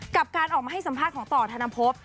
กับการออกมาให้สัมภาษณ์ของต่อธนภพ